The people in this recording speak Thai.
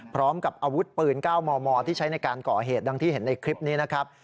พร้อมกับอาวุธปืน๙มมที่ใช้ในการก่อเหตุดังที่เห็นในคลิปนี้นะครับ